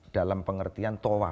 talan pengertian to loch